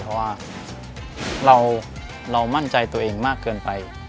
เพราะว่าเรามั่นใจตัวเองมากเกินไป